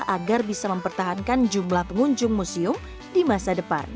agar bisa mempertahankan jumlah pengunjung museum di masa depan